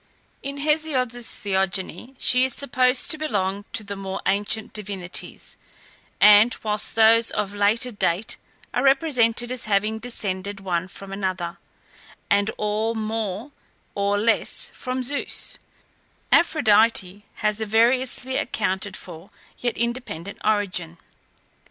In Hesiod's Theogony she is supposed to belong to the more ancient divinities, and, whilst those of later date are represented as having descended one from another, and all more or less from Zeus, Aphrodite has a variously accounted for, yet independent origin.